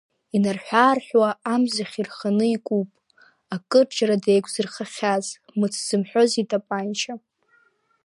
Инарҳәы-аарҳәуа амзахь ирханы икуп акырџьара деиқәзырхахьаз, мыц зымҳәоз итапанча.